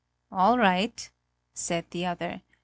"All right," said the other.